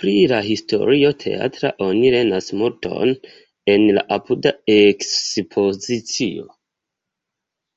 Pri la historio teatra oni lernas multon en la apuda ekspozicio.